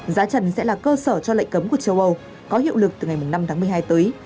giá trần sẽ là cơ sở cho lệnh cấm của châu âu có hiệu lực từ ngày năm tháng một mươi hai tới